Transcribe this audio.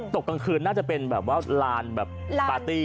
ตกต่างคืนน่าจะเป็นว่าร้านปาร์ตี้